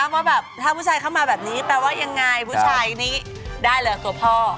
ว่าแบบถ้าผู้ชายเข้ามาแบบนี้แปลว่ายังไงผู้ชายนี้ได้เลยตัวพ่อ